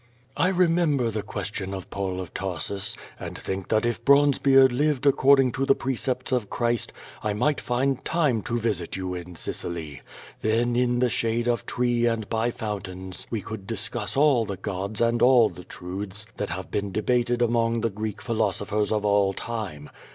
I remember the question of Paul of Tarsus, and think that if l>ronzebeard lived according to the precepts of Christ, T iiiiglit find time to visit you in Sicily. Then, in the shade of tree and by fountains, we could discuss all the gods and all tlie truths that have been debated among the Greek philos oi)hers of all time.